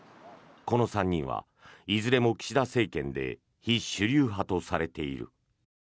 この３人はいずれも岸田政権で非主流派とされている。